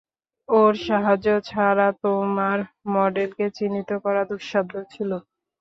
ওর সাহায্য ছাড়া তোমার মডেলকে চিহ্নিত করা দুঃস্বাধ্য ছিল।